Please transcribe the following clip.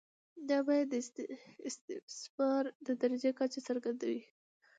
دا بیه د استثمار د درجې کچه څرګندوي